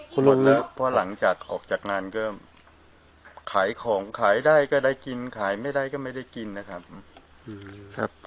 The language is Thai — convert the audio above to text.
คุณลดแล้วเพราะหลังจากออกจากงานก็ขายของขายได้ก็ได้กินขายไม่ได้ก็ไม่ได้กินนะครับ